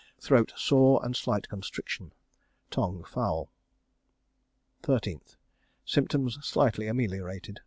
Throat sore, and slight constriction. Tongue foul. 13th. Symptoms slightly ameliorated.